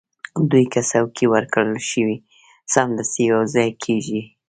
دوی که څوکۍ ورکړل شي، سمدستي یو ځای کېږي.